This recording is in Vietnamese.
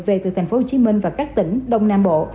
về từ thành phố hồ chí minh và các tỉnh đông nam bộ